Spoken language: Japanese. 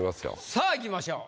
さあいきましょう。